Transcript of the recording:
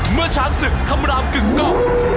เมื่อช้างศึกคำรามกึ่งกล้อง